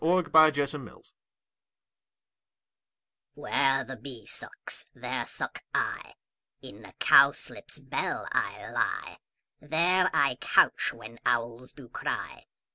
Fairy Land iv WHERE the bee sucks, there suck I: In a cowslip's bell I lie; There I couch when owls do cry.